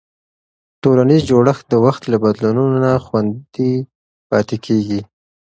ټولنیز جوړښت د وخت له بدلونونو نه خوندي پاتې کېږي.